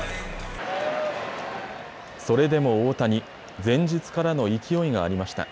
それでも大谷、前日からの勢いがありました。